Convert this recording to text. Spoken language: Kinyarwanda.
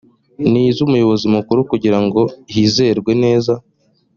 ni’iz’umuyobozi mukuru kugira ngo hizerwe neza